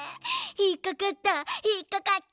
ひっかかったひっかかった！